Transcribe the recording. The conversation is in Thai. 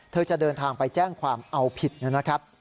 จะเดินทางไปแจ้งความเอาผิดนะครับ